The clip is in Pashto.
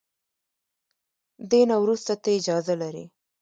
دې نه وروسته ته اجازه لري.